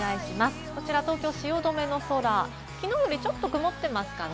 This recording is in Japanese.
こちら東京・汐留の空、きのうよりちょっと曇ってますかね。